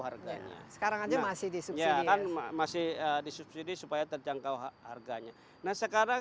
harganya sekarang aja masih disubsidi ya kan masih disubsidi supaya terjangkau harganya nah sekarang